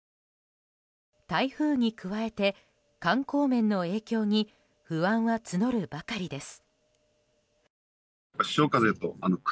台風に加えて観光面の影響に不安は募るばかりです。